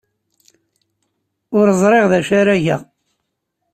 Ur ẓriɣ d acu ara geɣ.